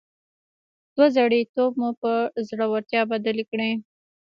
دوه زړي توب مو پر زړورتيا بدل کړئ.